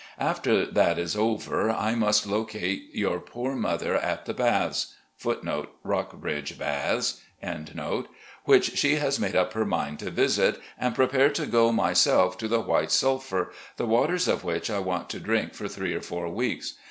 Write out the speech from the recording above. After that is over, I must loeate your poor mother at the Baths,* which she has made up her mind to visit, and prepare to go myself to the White Sulphur, the waters of which I want to drink for three or four weeks.